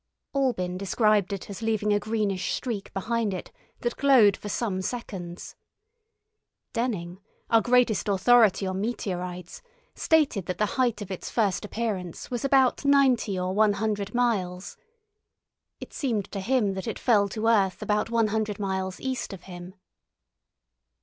Albin described it as leaving a greenish streak behind it that glowed for some seconds. Denning, our greatest authority on meteorites, stated that the height of its first appearance was about ninety or one hundred miles. It seemed to him that it fell to earth about one hundred miles east of him.